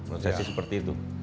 menurut saya sih seperti itu